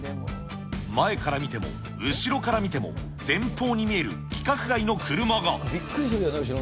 前から見ても、後ろから見ても、前方に見える規格外の車が。